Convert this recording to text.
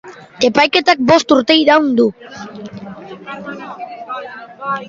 Epaiketak bost urte iraun du.